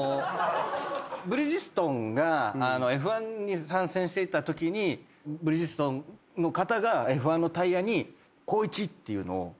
ブリヂストンがＦ１に参戦していたときにブリヂストンの方がＦ１のタイヤに「光一」っていうのを。